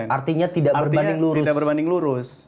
artinya tidak berbanding lurus